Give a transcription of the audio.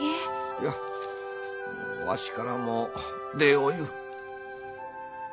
いやわしからも礼を言う。